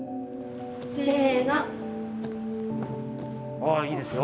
あいいですよ。